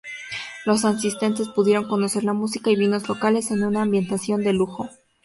Los asistentes pudieron conocer la música y vinos locales, en una ambientación de lujo.